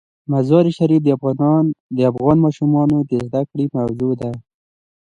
مزارشریف د افغان ماشومانو د زده کړې موضوع ده.